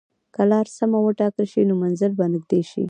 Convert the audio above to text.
که لار سمه وټاکل شي، نو منزل به نږدې شي.